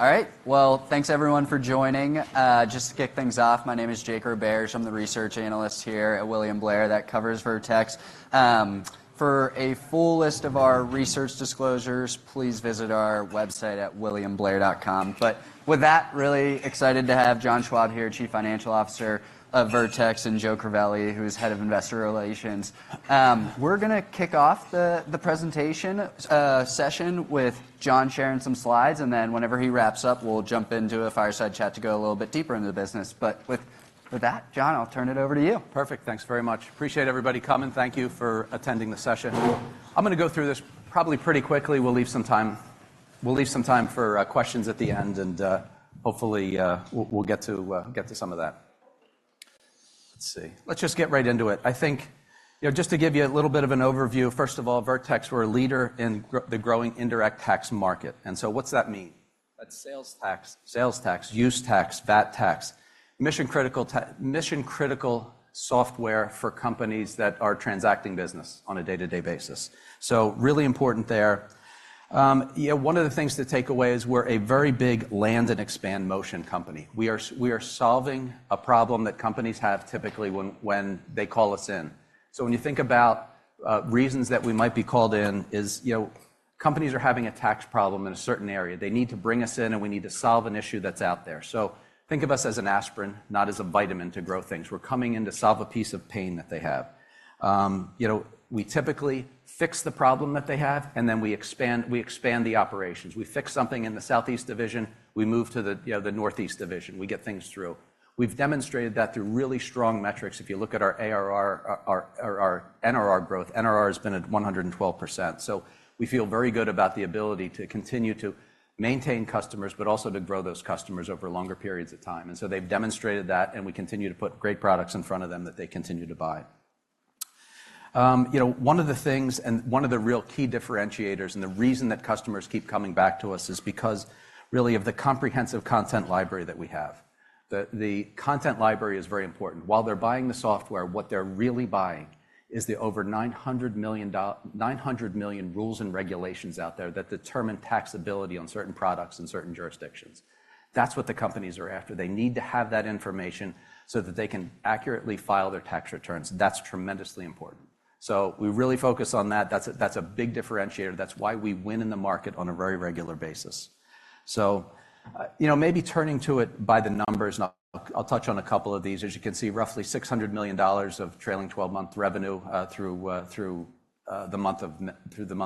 All right. Well, thanks, everyone, for joining. Just to kick things off, my name is Jacob Biers. I'm the research analyst here at William Blair. That covers Vertex. For a full list of our research disclosures, please visit our website at williamblair.com. But with that, really excited to have John Schwab here, Chief Financial Officer of Vertex, and Joe Crivelli, who is Head of Investor Relations. We're going to kick off the presentation session with John sharing some slides, and then whenever he wraps up, we'll jump into a fireside chat to go a little bit deeper into the business. But with that, John, I'll turn it over to you. Perfect. Thanks very much. Appreciate everybody coming. Thank you for attending the session. I'm going to go through this probably pretty quickly. We'll leave some time for questions at the end, and hopefully we'll get to some of that. Let's see. Let's just get right into it. I think, just to give you a little bit of an overview, first of all, Vertex, we're a leader in the growing indirect tax market. And so what's that mean? That's sales tax, sales tax, use tax, VAT tax, mission-critical software for companies that are transacting business on a day-to-day basis. So really important there. One of the things to take away is we're a very big land and expand motion company. We are solving a problem that companies have typically when they call us in. So when you think about reasons that we might be called in, companies are having a tax problem in a certain area. They need to bring us in, and we need to solve an issue that's out there. So think of us as an aspirin, not as a vitamin to grow things. We're coming in to solve a piece of pain that they have. We typically fix the problem that they have, and then we expand the operations. We fix something in the Southeast division. We move to the Northeast division. We get things through. We've demonstrated that through really strong metrics. If you look at our NRR growth, NRR has been at 112%. So we feel very good about the ability to continue to maintain customers, but also to grow those customers over longer periods of time. And so they've demonstrated that, and we continue to put great products in front of them that they continue to buy. One of the things, and one of the real key differentiators, and the reason that customers keep coming back to us is because really of the comprehensive content library that we have. The content library is very important. While they're buying the software, what they're really buying is the over 900 million rules and regulations out there that determine taxability on certain products in certain jurisdictions. That's what the companies are after. They need to have that information so that they can accurately file their tax returns. That's tremendously important. So we really focus on that. That's a big differentiator. That's why we win in the market on a very regular basis. So maybe turning to it by the numbers, I'll touch on a couple of these. As you can see, roughly $600 million of trailing 12-month revenue through the month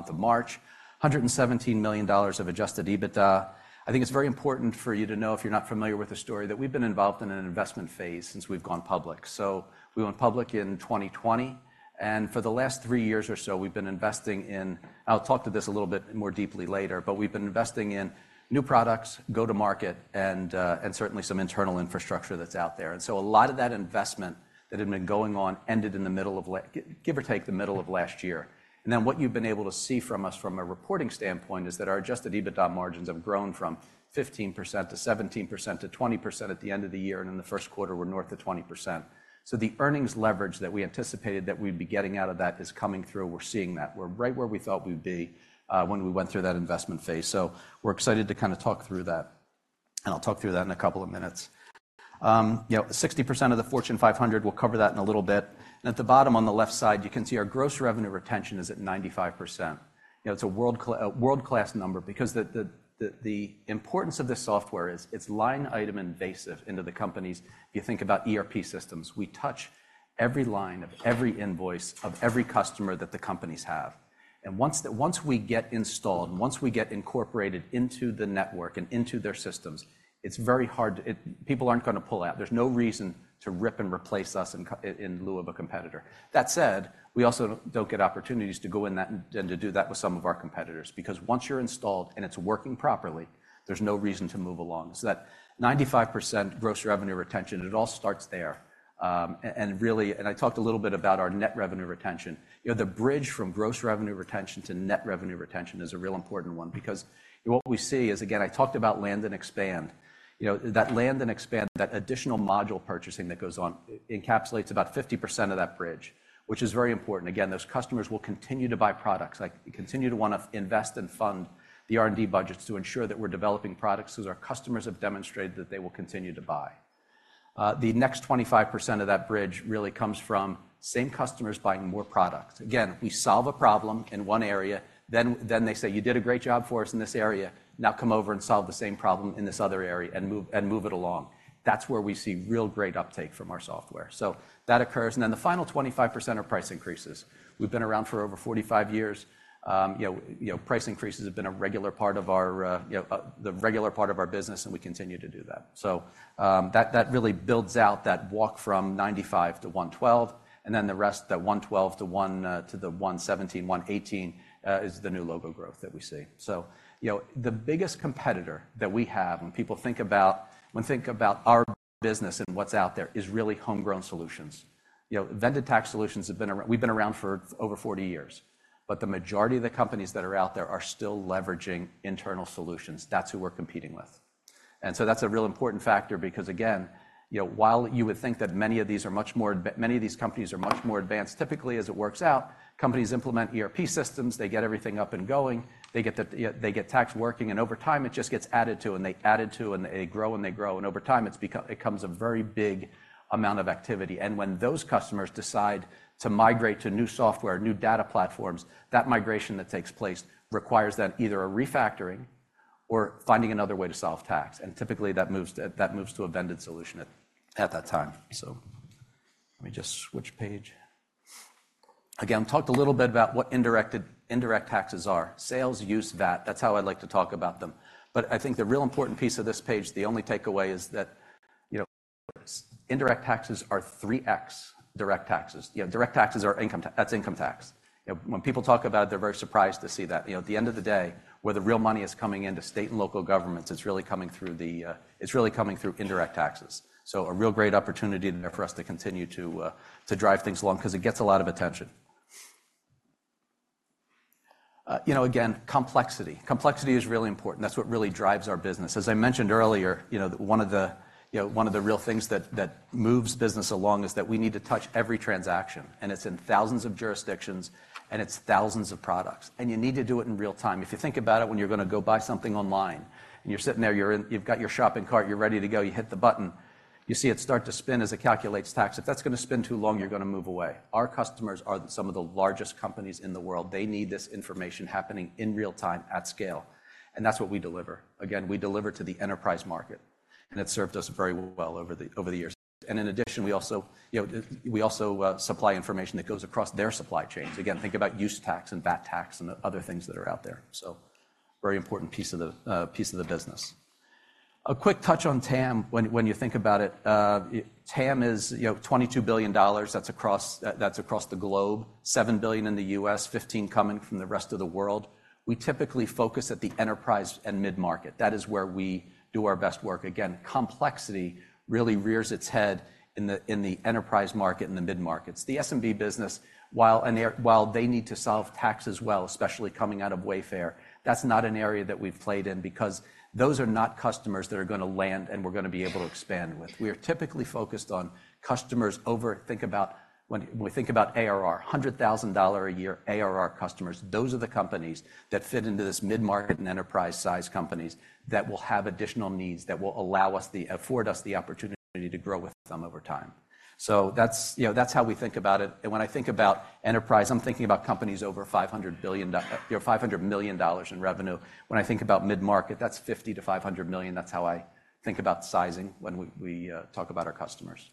of March, $117 million of adjusted EBITDA. I think it's very important for you to know, if you're not familiar with the story, that we've been involved in an investment phase since we've gone public. So we went public in 2020, and for the last three years or so, we've been investing in, I'll talk to this a little bit more deeply later, but we've been investing in new products, go-to-market, and certainly some internal infrastructure that's out there. And so a lot of that investment that had been going on ended in the middle of, give or take, the middle of last year. And then what you've been able to see from us from a reporting standpoint is that our adjusted EBITDA margins have grown from 15% to 17% to 20% at the end of the year, and in the first quarter, we're north of 20%. So the earnings leverage that we anticipated that we'd be getting out of that is coming through. We're seeing that. We're right where we thought we'd be when we went through that investment phase. So we're excited to kind of talk through that, and I'll talk through that in a couple of minutes. 60% of the Fortune 500, we'll cover that in a little bit. And at the bottom on the left side, you can see our gross revenue retention is at 95%. It's a world-class number because the importance of this software is it's line-item invasive into the companies. If you think about ERP systems, we touch every line of every invoice of every customer that the companies have. Once we get installed, once we get incorporated into the network and into their systems, it's very hard. People aren't going to pull out. There's no reason to rip and replace us in lieu of a competitor. That said, we also don't get opportunities to go in that and to do that with some of our competitors because once you're installed and it's working properly, there's no reason to move along. That 95% gross revenue retention, it all starts there. I talked a little bit about our net revenue retention. The bridge from gross revenue retention to net revenue retention is a real important one because what we see is, again, I talked about land and expand. That land and expand, that additional module purchasing that goes on encapsulates about 50% of that bridge, which is very important. Again, those customers will continue to buy products. They continue to want to invest and fund the R&D budgets to ensure that we're developing products because our customers have demonstrated that they will continue to buy. The next 25% of that bridge really comes from same customers buying more products. Again, we solve a problem in one area, then they say, "You did a great job for us in this area. Now come over and solve the same problem in this other area and move it along." That's where we see real great uptake from our software. So that occurs. And then the final 25% are price increases. We've been around for over 45 years. Price increases have been a regular part of our business, and we continue to do that. So that really builds out that walk from $95 to $112, and then the rest that $112 to the $117, $118 is the new logo growth that we see. So the biggest competitor that we have, when people think about our business and what's out there, is really homegrown solutions. Vertex tax solutions, we've been around for over 40 years, but the majority of the companies that are out there are still leveraging internal solutions. That's who we're competing with. And so that's a real important factor because, again, while you would think that many of these are much more, many of these companies are much more advanced, typically as it works out, companies implement ERP systems, they get everything up and going, they get tax working, and over time it just gets added to, and they added to, and they grow, and they grow, and over time it becomes a very big amount of activity. And when those customers decide to migrate to new software, new data platforms, that migration that takes place requires then either a refactoring or finding another way to solve tax. And typically that moves to a vendor solution at that time. So let me just switch page. Again, I've talked a little bit about what indirect taxes are. Sales, use, VAT, that's how I like to talk about them. But I think the real important piece of this page, the only takeaway is that indirect taxes are 3x direct taxes. Direct taxes are income tax. That's income tax. When people talk about it, they're very surprised to see that. At the end of the day, where the real money is coming into state and local governments, it's really coming through indirect taxes. So a real great opportunity there for us to continue to drive things along because it gets a lot of attention. Again, complexity. Complexity is really important. That's what really drives our business. As I mentioned earlier, one of the real things that moves business along is that we need to touch every transaction, and it's in thousands of jurisdictions, and it's thousands of products. And you need to do it in real time. If you think about it, when you're going to go buy something online, and you're sitting there, you've got your shopping cart, you're ready to go, you hit the button, you see it start to spin as it calculates tax. If that's going to spin too long, you're going to move away. Our customers are some of the largest companies in the world. They need this information happening in real time at scale. And that's what we deliver. Again, we deliver to the enterprise market, and it's served us very well over the years. And in addition, we also supply information that goes across their supply chains. Again, think about use tax and VAT tax and other things that are out there. So very important piece of the business. A quick touch on TAM, when you think about it, TAM is $22 billion. That's across the globe, $7 billion in the US, $15 billion coming from the rest of the world. We typically focus at the enterprise and mid-market. That is where we do our best work. Again, complexity really rears its head in the enterprise market and the mid-markets. The SMB business, while they need to solve tax as well, especially coming out of Wayfair, that's not an area that we've played in because those are not customers that are going to land and we're going to be able to expand with. We are typically focused on customers over, think about when we think about ARR, $100,000 a year ARR customers. Those are the companies that fit into this mid-market and enterprise-sized companies that will have additional needs that will afford us the opportunity to grow with them over time. So that's how we think about it. When I think about enterprise, I'm thinking about companies over $500 million in revenue. When I think about mid-market, that's $50 million-$500 million. That's how I think about sizing when we talk about our customers.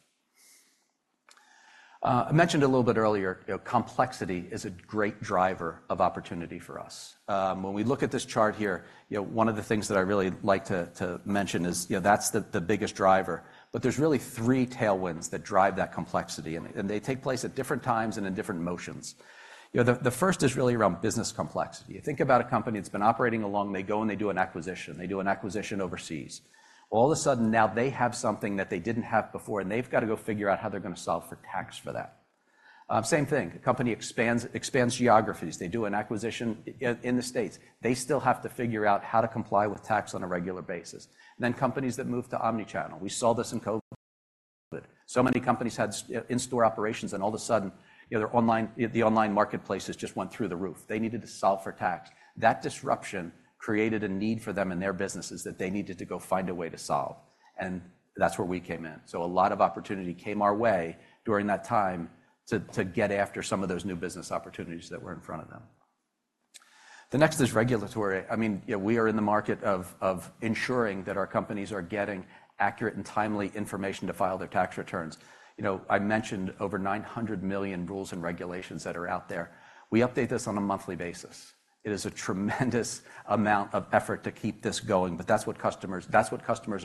I mentioned a little bit earlier, complexity is a great driver of opportunity for us. When we look at this chart here, one of the things that I really like to mention is that's the biggest driver, but there's really three tailwinds that drive that complexity, and they take place at different times and in different motions. The first is really around business complexity. Think about a company that's been operating along, they go and they do an acquisition. They do an acquisition overseas. All of a sudden, now they have something that they didn't have before, and they've got to go figure out how they're going to solve for tax for that. Same thing, a company expands geographies. They do an acquisition in the States. They still have to figure out how to comply with tax on a regular basis. Then companies that move to omnichannel. We saw this in COVID. So many companies had in-store operations, and all of a sudden, the online marketplace just went through the roof. They needed to solve for tax. That disruption created a need for them in their businesses that they needed to go find a way to solve. And that's where we came in. So a lot of opportunity came our way during that time to get after some of those new business opportunities that were in front of them. The next is regulatory. I mean, we are in the market of ensuring that our companies are getting accurate and timely information to file their tax returns. I mentioned over 900 million rules and regulations that are out there. We update this on a monthly basis. It is a tremendous amount of effort to keep this going, but that's what customers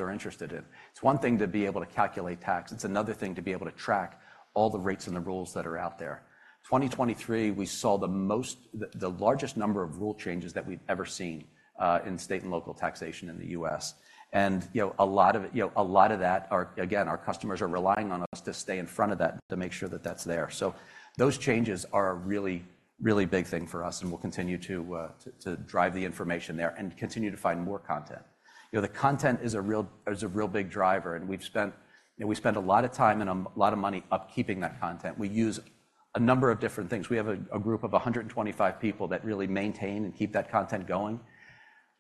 are interested in. It's one thing to be able to calculate tax. It's another thing to be able to track all the rates and the rules that are out there. 2023, we saw the largest number of rule changes that we've ever seen in state and local taxation in the U.S. And a lot of that, again, our customers are relying on us to stay in front of that to make sure that that's there. So those changes are a really big thing for us, and we'll continue to drive the information there and continue to find more content. The content is a real big driver, and we've spent a lot of time and a lot of money upkeeping that content. We use a number of different things. We have a group of 125 people that really maintain and keep that content going.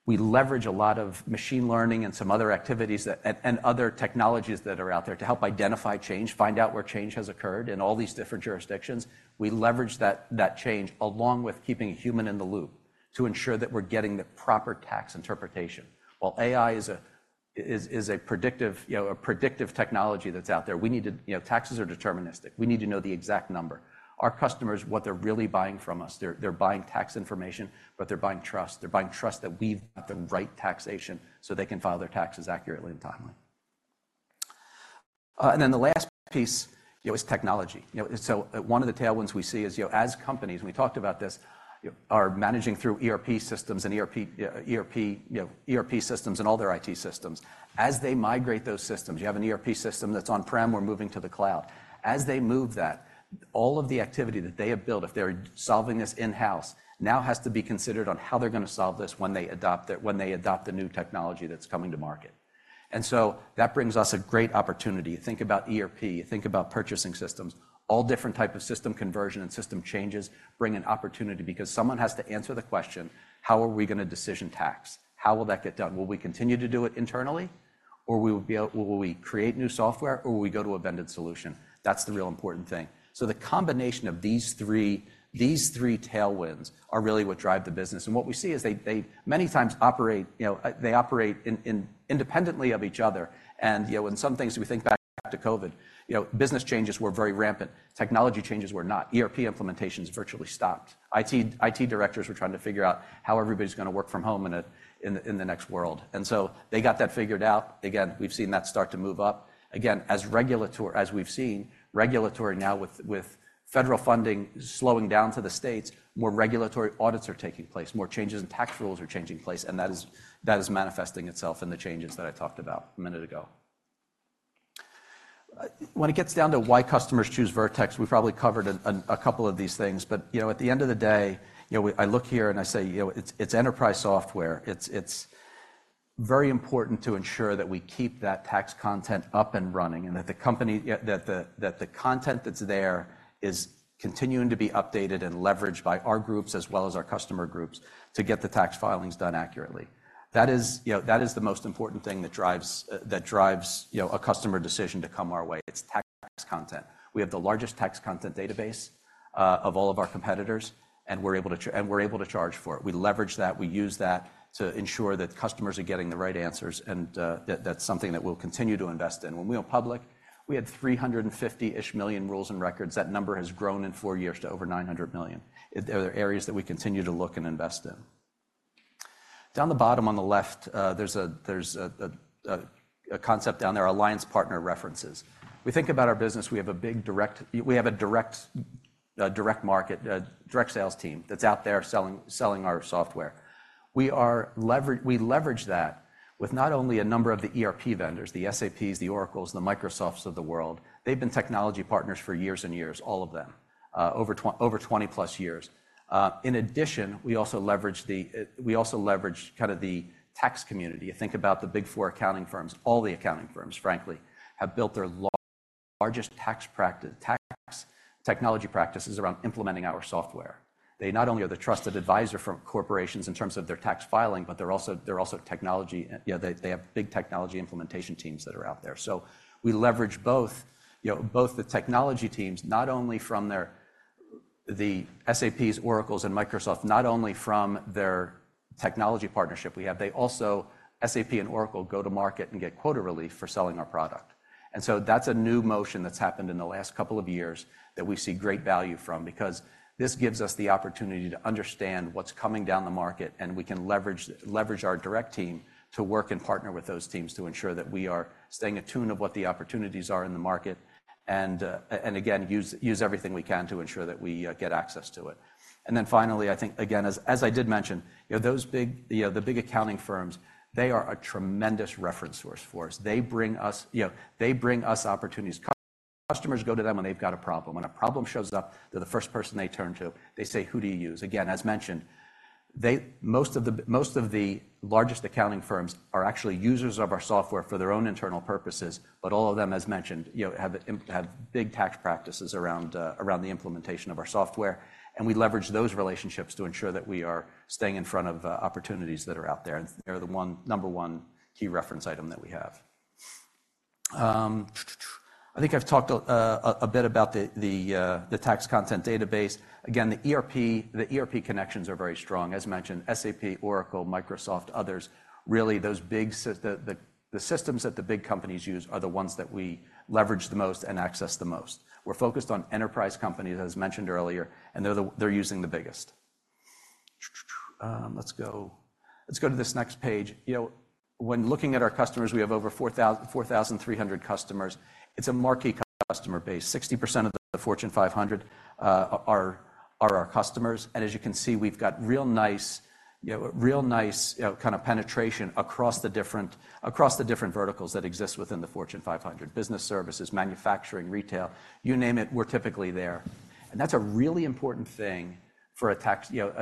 We leverage a lot of machine learning and some other activities and other technologies that are out there to help identify change, find out where change has occurred in all these different jurisdictions. We leverage that change along with keeping a human in the loop to ensure that we're getting the proper tax interpretation. While AI is a predictive technology that's out there, we need to. Taxes are deterministic. We need to know the exact number. Our customers, what they're really buying from us, they're buying tax information, but they're buying trust. They're buying trust that we've got the right taxation so they can file their taxes accurately and timely. And then the last piece is technology. So one of the tailwinds we see is as companies, and we talked about this, are managing through ERP systems and ERP systems and all their IT systems. As they migrate those systems, you have an ERP system that's on-prem, we're moving to the cloud. As they move that, all of the activity that they have built, if they're solving this in-house, now has to be considered on how they're going to solve this when they adopt the new technology that's coming to market. And so that brings us a great opportunity. Think about ERP, think about purchasing systems. All different types of system conversion and system changes bring an opportunity because someone has to answer the question, how are we going to decision tax? How will that get done? Will we continue to do it internally, or will we create new software, or will we go to a vendor solution? That's the real important thing. So the combination of these three tailwinds are really what drive the business. And what we see is they many times operate, they operate independently of each other. And in some things, we think back to COVID, business changes were very rampant. Technology changes were not. ERP implementations virtually stopped. IT directors were trying to figure out how everybody's going to work from home in the next world. And so they got that figured out. Again, we've seen that start to move up. Again, as regulatory, as we've seen, regulatory now with federal funding slowing down to the states, more regulatory audits are taking place, more changes in tax rules are changing place, and that is manifesting itself in the changes that I talked about a minute ago. When it gets down to why customers choose Vertex, we probably covered a couple of these things, but at the end of the day, I look here and I say it's enterprise software. It's very important to ensure that we keep that tax content up and running and that the content that's there is continuing to be updated and leveraged by our groups as well as our customer groups to get the tax filings done accurately. That is the most important thing that drives a customer decision to come our way. It's tax content. We have the largest tax content database of all of our competitors, and we're able to charge for it. We leverage that. We use that to ensure that customers are getting the right answers, and that's something that we'll continue to invest in. When we went public, we had 350-ish million rules and records. That number has grown in 4 years to over 900 million. There are areas that we continue to look and invest in. Down the bottom on the left, there's a concept down there, Alliance Partner References. We think about our business. We have a direct market, direct sales team that's out there selling our software. We leverage that with not only a number of the ERP vendors, the SAPs, the Oracles, the Microsofts of the world. They've been technology partners for years and years, all of them, over 20+ years. In addition, we also leverage kind of the tax community. Think about the Big Four accounting firms. All the accounting firms, frankly, have built their largest tax technology practices around implementing our software. They not only are the trusted advisor for corporations in terms of their tax filing, but they're also technology. They have big technology implementation teams that are out there. So we leverage both the technology teams, not only from the SAP, Oracle, and Microsoft, not only from their technology partnership we have, they also, SAP and Oracle go to market and get quota relief for selling our product. So that's a new motion that's happened in the last couple of years that we see great value from because this gives us the opportunity to understand what's coming down the market, and we can leverage our direct team to work and partner with those teams to ensure that we are staying attuned to what the opportunities are in the market and, again, use everything we can to ensure that we get access to it. Then finally, I think, again, as I did mention, the big accounting firms, they are a tremendous reference source for us. They bring us opportunities. Customers go to them when they've got a problem. When a problem shows up, they're the first person they turn to. They say, "Who do you use?" Again, as mentioned, most of the largest accounting firms are actually users of our software for their own internal purposes, but all of them, as mentioned, have big tax practices around the implementation of our software. We leverage those relationships to ensure that we are staying in front of opportunities that are out there. They're the number one key reference item that we have. I think I've talked a bit about the tax content database. Again, the ERP connections are very strong. As mentioned, SAP, Oracle, Microsoft, others, really the systems that the big companies use are the ones that we leverage the most and access the most. We're focused on enterprise companies, as mentioned earlier, and they're using the biggest. Let's go to this next page. When looking at our customers, we have over 4,300 customers. It's a marquee customer base. 60% of the Fortune 500 are our customers. And as you can see, we've got real nice kind of penetration across the different verticals that exist within the Fortune 500: business services, manufacturing, retail, you name it, we're typically there. And that's a really important thing for a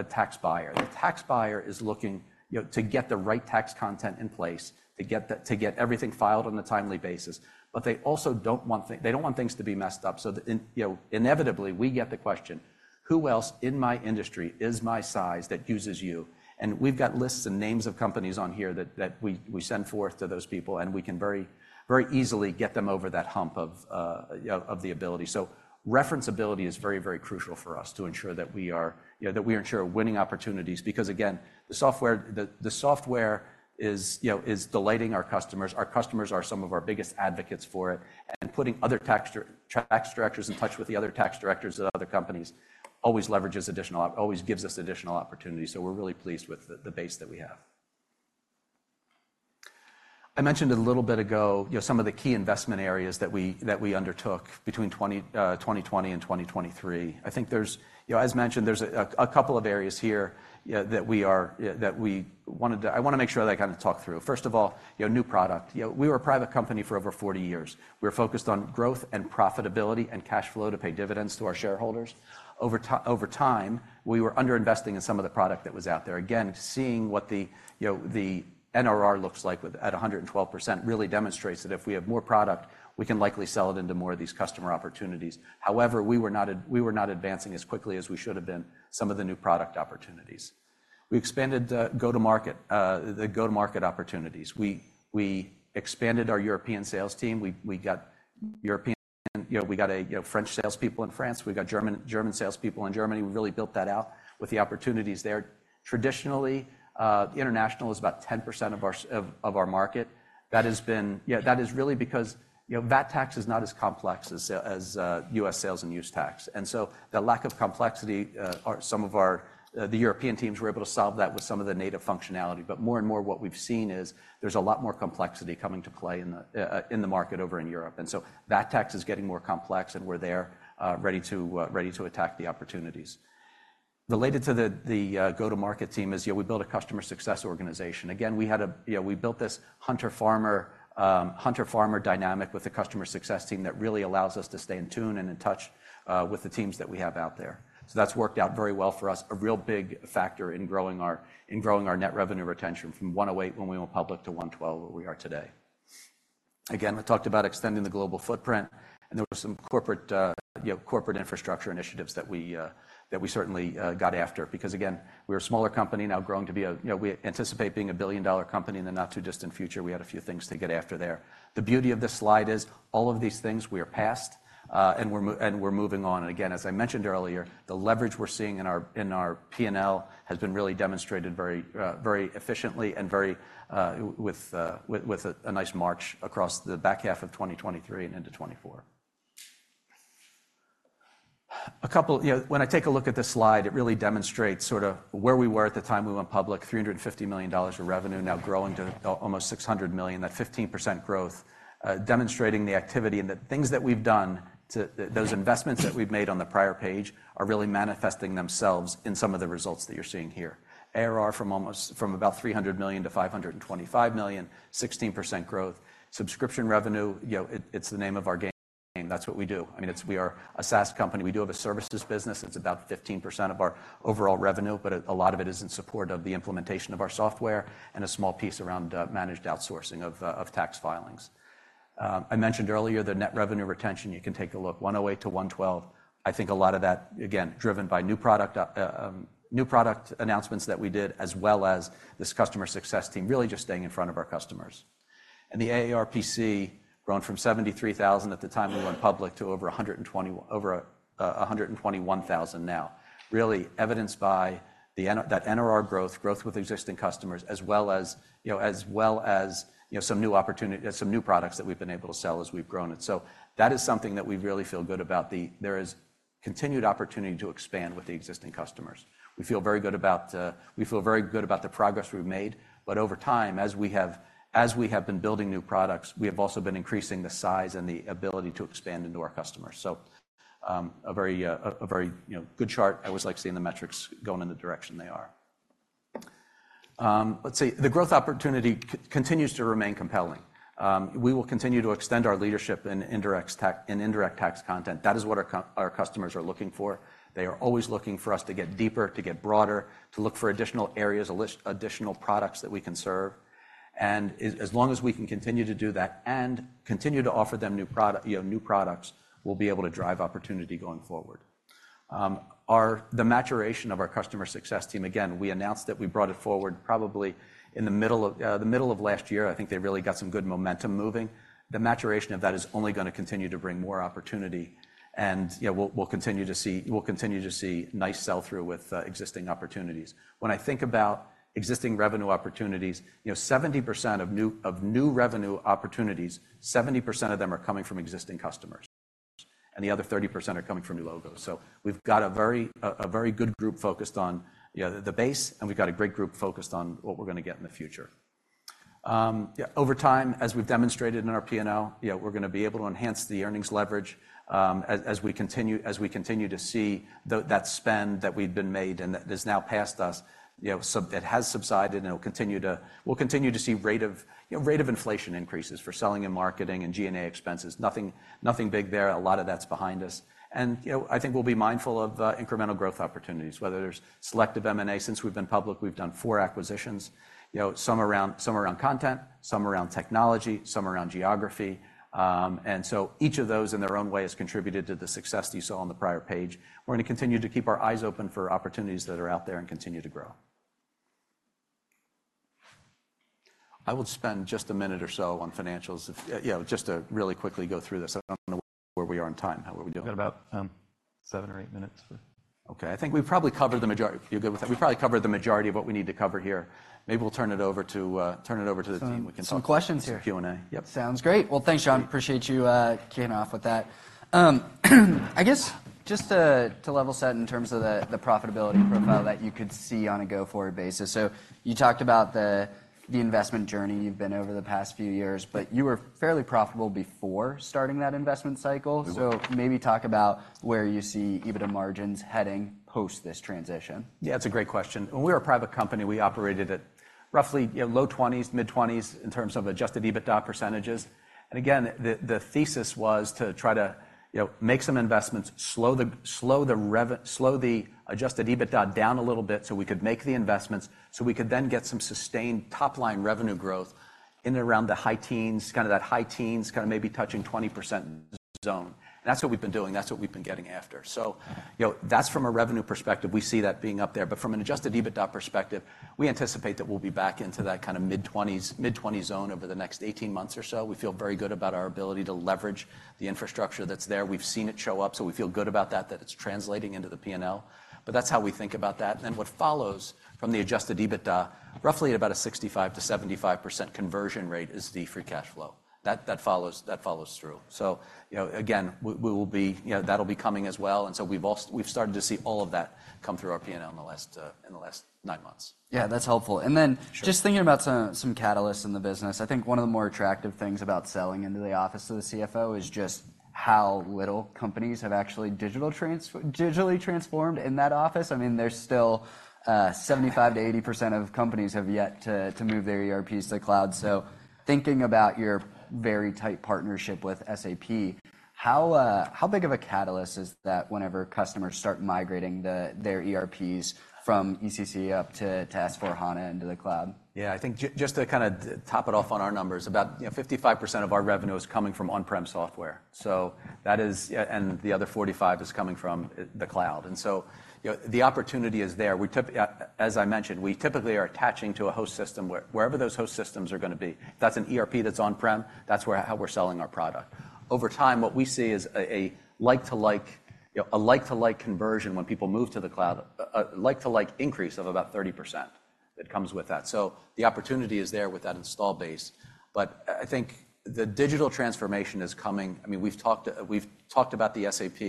tax buyer. The tax buyer is looking to get the right tax content in place to get everything filed on a timely basis, but they also don't want things to be messed up. So inevitably, we get the question, "Who else in my industry is my size that uses you?" And we've got lists and names of companies on here that we send forth to those people, and we can very easily get them over that hump of the ability. So referenceability is very, very crucial for us to ensure that we ensure winning opportunities because, again, the software is delighting our customers. Our customers are some of our biggest advocates for it, and putting other tax directors in touch with the other tax directors at other companies always gives us additional opportunities. So we're really pleased with the base that we have. I mentioned a little bit ago some of the key investment areas that we undertook between 2020 and 2023. I think, as mentioned, there's a couple of areas here that we wanted to—I want to make sure that I kind of talk through. First of all, new product. We were a private company for over 40 years. We were focused on growth and profitability and cash flow to pay dividends to our shareholders. Over time, we were underinvesting in some of the product that was out there. Again, seeing what the NRR looks like at 112% really demonstrates that if we have more product, we can likely sell it into more of these customer opportunities. However, we were not advancing as quickly as we should have been some of the new product opportunities. We expanded the go-to-market opportunities. We expanded our European sales team. We got French salespeople in France. We got German salespeople in Germany. We really built that out with the opportunities there. Traditionally, international is about 10% of our market. That has been, that is really because VAT tax is not as complex as U.S. sales and use tax. And so the lack of complexity, some of the European teams were able to solve that with some of the native functionality, but more and more what we've seen is there's a lot more complexity coming to play in the market over in Europe. And so VAT tax is getting more complex, and we're there ready to attack the opportunities. Related to the go-to-market team is we built a customer success organization. Again, we built this hunter-farmer dynamic with the customer success team that really allows us to stay in tune and in touch with the teams that we have out there. So that's worked out very well for us, a real big factor in growing our net revenue retention from 108 when we went public to 112 where we are today. Again, we talked about extending the global footprint, and there were some corporate infrastructure initiatives that we certainly got after because, again, we're a smaller company now growing to be a—we anticipate being a billion-dollar company in the not-too-distant future. We had a few things to get after there. The beauty of this slide is all of these things we are past, and we're moving on. And again, as I mentioned earlier, the leverage we're seeing in our P&L has been really demonstrated very efficiently and with a nice march across the back half of 2023 and into 2024. When I take a look at this slide, it really demonstrates sort of where we were at the time we went public: $350 million of revenue, now growing to almost $600 million, that 15% growth, demonstrating the activity and the things that we've done, those investments that we've made on the prior page are really manifesting themselves in some of the results that you're seeing here. ARR from about $300 million to $525 million, 16% growth. Subscription revenue, it's the name of our game. That's what we do. I mean, we are a SaaS company. We do have a services business. It's about 15% of our overall revenue, but a lot of it is in support of the implementation of our software and a small piece around managed outsourcing of tax filings. I mentioned earlier the net revenue retention. You can take a look, 108%-112%. I think a lot of that, again, driven by new product announcements that we did, as well as this customer success team, really just staying in front of our customers. And the AARRPC, grown from $73,000 at the time we went public to over $121,000 now, really evidenced by that NRR growth, growth with existing customers, as well as some new products that we've been able to sell as we've grown it. So that is something that we really feel good about. There is continued opportunity to expand with the existing customers. We feel very good about the progress we've made, but over time, as we have been building new products, we have also been increasing the size and the ability to expand into our customers. So a very good chart. I always like seeing the metrics going in the direction they are. Let's see. The growth opportunity continues to remain compelling. We will continue to extend our leadership in indirect tax content. That is what our customers are looking for. They are always looking for us to get deeper, to get broader, to look for additional areas, additional products that we can serve. And as long as we can continue to do that and continue to offer them new products, we'll be able to drive opportunity going forward. The maturation of our customer success team, again, we announced that we brought it forward probably in the middle of last year. I think they really got some good momentum moving. The maturation of that is only going to continue to bring more opportunity, and we'll continue to see nice sell-through with existing opportunities. When I think about existing revenue opportunities, 70% of new revenue opportunities, 70% of them are coming from existing customers, and the other 30% are coming from new logos. So we've got a very good group focused on the base, and we've got a great group focused on what we're going to get in the future. Over time, as we've demonstrated in our P&L, we're going to be able to enhance the earnings leverage as we continue to see that spend that we've been made and that is now past us. It has subsided, and we'll continue to see rate of inflation increases for selling and marketing and G&A expenses. Nothing big there. A lot of that's behind us. And I think we'll be mindful of incremental growth opportunities, whether there's selective M&A. Since we've been public, we've done four acquisitions, some around content, some around technology, some around geography. And so each of those, in their own way, has contributed to the success that you saw on the prior page. We're going to continue to keep our eyes open for opportunities that are out there and continue to grow. I will spend just a minute or so on financials, just to really quickly go through this. I don't know where we are in time. How are we doing? We've got about seven or eight minutes for. Okay. I think we probably covered the majority. You're good with that? We probably covered the majority of what we need to cover here. Maybe we'll turn it over to the team. We can talk about some questions here for Q&A. Yep. Sounds great. Well, thanks, John. Appreciate you kicking off with that. I guess just to level set in terms of the profitability profile that you could see on a go-forward basis. So you talked about the investment journey you've been over the past few years, but you were fairly profitable before starting that investment cycle. So maybe talk about where you see EBITDA margins heading post this transition. Yeah, that's a great question. When we were a private company, we operated at roughly low 20s, mid-20s in terms of adjusted EBITDA percentages. Again, the thesis was to try to make some investments, slow the adjusted EBITDA down a little bit so we could make the investments so we could then get some sustained top-line revenue growth in and around the high teens, kind of that high teens, kind of maybe touching 20% zone. That's what we've been doing. That's what we've been getting after. That's from a revenue perspective. We see that being up there. But from an adjusted EBITDA perspective, we anticipate that we'll be back into that kind of mid-20s zone over the next 18 months or so. We feel very good about our ability to leverage the infrastructure that's there. We've seen it show up, so we feel good about that, that it's translating into the P&L. But that's how we think about that. And then what follows from the adjusted EBITDA, roughly at about a 65%-75% conversion rate is the free cash flow. That follows through. So again, that'll be coming as well. And so we've started to see all of that come through our P&L in the last nine months. Yeah, that's helpful. And then just thinking about some catalysts in the business, I think one of the more attractive things about selling into the office of the CFO is just how little companies have actually digitally transformed in that office. I mean, there's still 75%-80% of companies have yet to move their ERPs to cloud. So thinking about your very tight partnership with SAP, how big of a catalyst is that whenever customers start migrating their ERPs from ECC up to S/4HANA into the cloud? Yeah, I think just to kind of top it off on our numbers, about 55% of our revenue is coming from on-prem software. The other 45% is coming from the cloud. So the opportunity is there. As I mentioned, we typically are attaching to a host system wherever those host systems are going to be. If that's an ERP that's on-prem, that's how we're selling our product. Over time, what we see is a like-to-like conversion when people move to the cloud, a like-to-like increase of about 30% that comes with that. So the opportunity is there with that install base. But I think the digital transformation is coming. I mean, we've talked about the SAP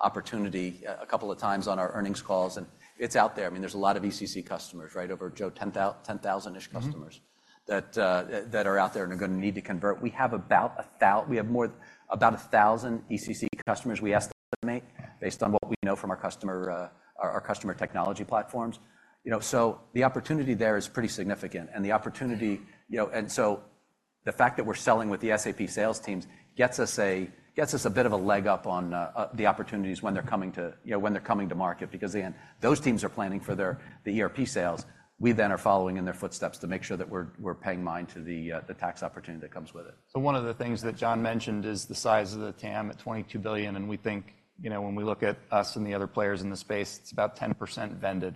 opportunity a couple of times on our earnings calls, and it's out there. I mean, there's a lot of ECC customers, right, over 10,000-ish customers that are out there and are going to need to convert. We have about 1,000 ECC customers we estimate based on what we know from our customer technology platforms. So the opportunity there is pretty significant. And so the fact that we're selling with the SAP sales teams gets us a bit of a leg up on the opportunities when they're coming to market because those teams are planning for the ERP sales. We then are following in their footsteps to make sure that we're paying mind to the tax opportunity that comes with it. So one of the things that John mentioned is the size of the TAM at $22 billion. And we think when we look at us and the other players in the space, it's about 10% vended.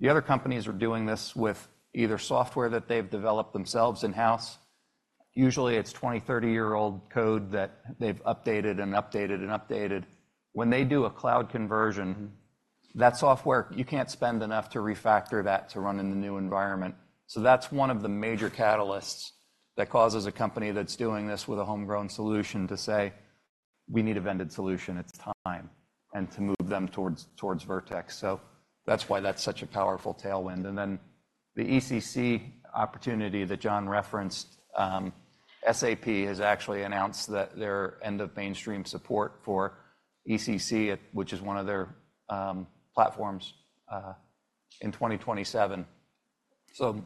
The other companies are doing this with either software that they've developed themselves in-house. Usually, it's 20- or 30-year-old code that they've updated and updated and updated. When they do a cloud conversion, that software, you can't spend enough to refactor that to run in the new environment. So that's one of the major catalysts that causes a company that's doing this with a homegrown solution to say, "We need a vended solution. It's time," and to move them towards Vertex. So that's why that's such a powerful tailwind. And then the ECC opportunity that John referenced, SAP has actually announced that their end-of-mainstream support for ECC, which is one of their platforms, in 2027. So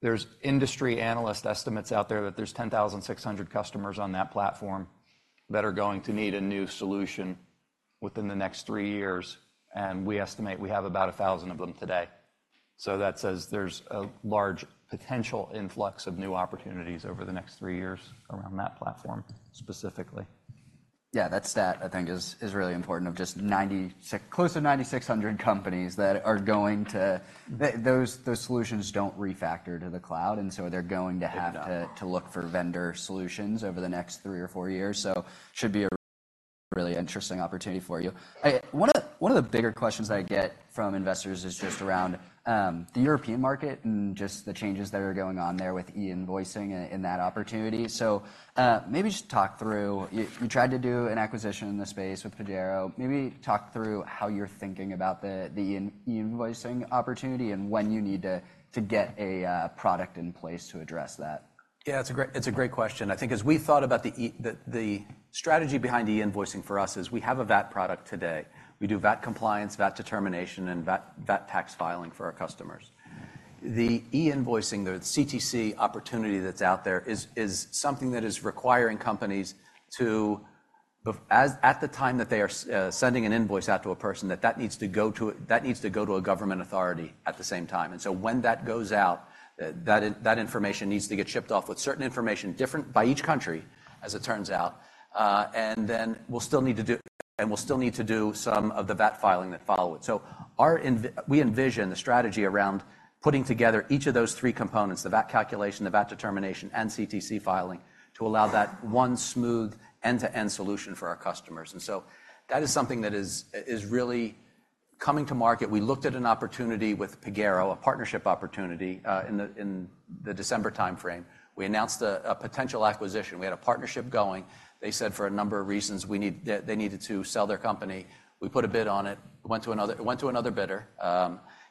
there's industry analyst estimates out there that there's 10,600 customers on that platform that are going to need a new solution within the next three years. We estimate we have about 1,000 of them today. So that says there's a large potential influx of new opportunities over the next three years around that platform specifically. Yeah, that stat, I think, is really important of just close to 9,600 companies that are going to, those solutions don't refactor to the cloud, and so they're going to have to look for vendor solutions over the next three or four years. So it should be a really interesting opportunity for you. One of the bigger questions that I get from investors is just around the European market and just the changes that are going on there with e-invoicing and that opportunity. So maybe just talk through—you tried to do an acquisition in the space with Pagero. Maybe talk through how you're thinking about the e-invoicing opportunity and when you need to get a product in place to address that. Yeah, it's a great question. I think as we thought about the strategy behind e-invoicing for us is we have a VAT product today. We do VAT compliance, VAT determination, and VAT tax filing for our customers. The e-invoicing, the CTC opportunity that's out there is something that is requiring companies to, at the time that they are sending an invoice out to a person, that needs to go to a government authority at the same time. And so when that goes out, that information needs to get shipped off with certain information by each country, as it turns out. And then we'll still need to do some of the VAT filing that follow it. So we envision the strategy around putting together each of those three components: the VAT calculation, the VAT determination, and CTC filing to allow that one smooth end-to-end solution for our customers. And so that is something that is really coming to market. We looked at an opportunity with Pagero, a partnership opportunity in the December timeframe. We announced a potential acquisition. We had a partnership going. They said for a number of reasons, they needed to sell their company. We put a bid on it. It went to another bidder.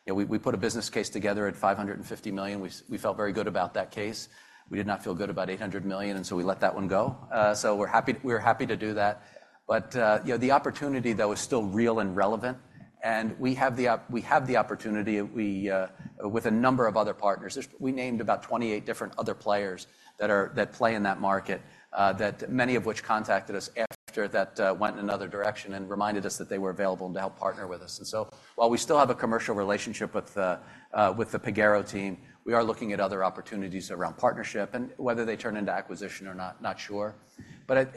We put a business case together at $550 million. We felt very good about that case. We did not feel good about $800 million, and so we let that one go. So we're happy to do that. But the opportunity, though, is still real and relevant. And we have the opportunity with a number of other partners. We named about 28 different other players that play in that market, many of which contacted us after that went in another direction and reminded us that they were available to help partner with us. And so while we still have a commercial relationship with the Pagero team, we are looking at other opportunities around partnership and whether they turn into acquisition or not, not sure. But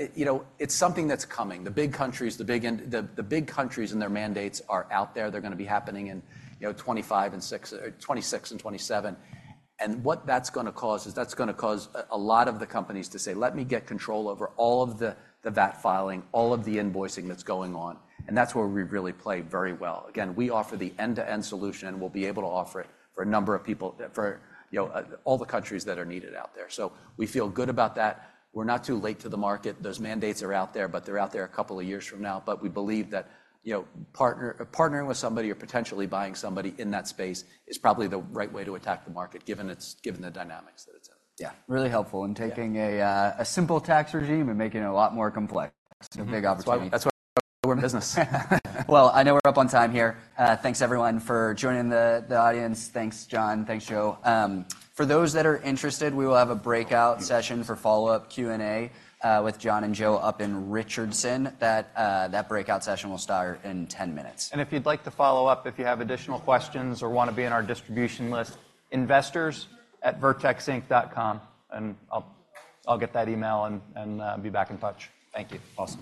it's something that's coming. The big countries, the big countries and their mandates are out there. They're going to be happening in 2025 and 2026 and 2027. And what that's going to cause is that's going to cause a lot of the companies to say, "Let me get control over all of the VAT filing, all of the invoicing that's going on." And that's where we really play very well. Again, we offer the end-to-end solution, and we'll be able to offer it for a number of people, for all the countries that are needed out there. So we feel good about that. We're not too late to the market. Those mandates are out there, but they're out there a couple of years from now. But we believe that partnering with somebody or potentially buying somebody in that space is probably the right way to attack the market, given the dynamics that it's in. Yeah. Really helpful in taking a simple tax regime and making it a lot more complex. A big opportunity. That's why we're in business. Well, I know we're up on time here. Thanks, everyone, for joining the audience. Thanks, John. Thanks, Joe. For those that are interested, we will have a breakout session for follow-up Q&A with John and Joe up in Richardson.That breakout session will start in 10 minutes. If you'd like to follow up, if you have additional questions or want to be on our distribution list, investors@vertexinc.com. I'll get that email and be back in touch. Thank you. Awesome.